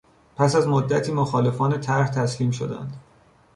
پس از مدتی مخالفان طرح تسلیم شدند.